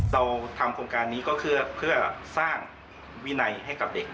เราทำโครงการนี้ก็เพื่อสร้างวินัยให้กับเด็ก